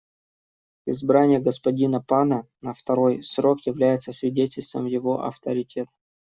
Избрание господина Пана на второй срок является свидетельством его авторитета.